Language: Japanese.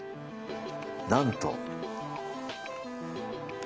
なんと。